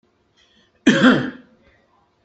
Teswatimt agdil-nwent?